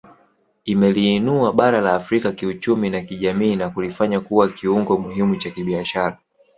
Imeliinua bara la Afrika kiuchumi na kijamii na kulifanya kuwa kiungo muhimu cha kibiashara